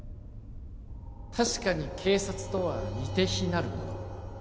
確かに警察とは似て非なるもの